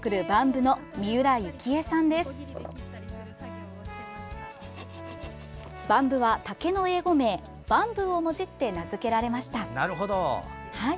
ＢＡＭ部は、竹の英語名バンブーをもじって名付けられました。